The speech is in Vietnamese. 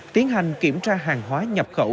tiến hành kiểm tra hàng hóa nhập khẩu